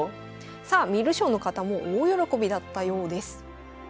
さあ観る将の方も大喜びだったようです。